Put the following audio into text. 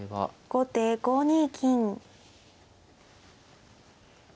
後手５二金。